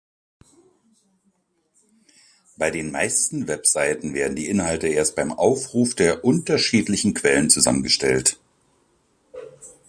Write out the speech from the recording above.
Bei den meisten Webseiten werden die Inhalte erst beim Aufruf aus unterschiedlichen Quellen zusammengestellt.